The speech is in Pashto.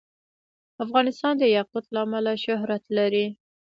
افغانستان د یاقوت له امله شهرت لري.